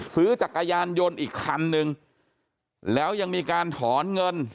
จักรยานยนต์อีกคันนึงแล้วยังมีการถอนเงิน